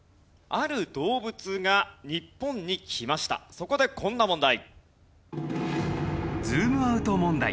そこでこんな問題。